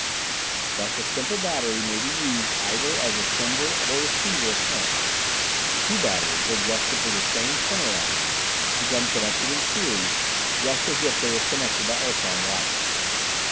Thus a simple battery may be used either as a sender or receiver of current. Two batteries adjusted to the same center line become connected in series just as if they were connected by ultron wires.